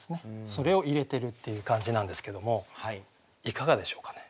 それを入れてるっていう感じなんですけどもいかがでしょうかね。